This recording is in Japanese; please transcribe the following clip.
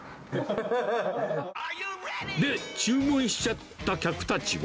で、注文しちゃった客たちは。